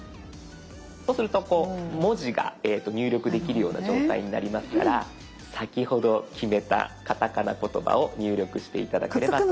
そうすると文字が入力できるような状態になりますから先ほど決めたカタカナ言葉を入力して頂ければと。